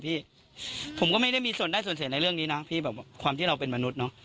ผมก็ไม่ได้แสนในเรื่องกี้นะความที่เราเป็นมนุษย์